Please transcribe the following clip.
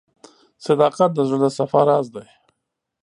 • صداقت د زړه د صفا راز دی.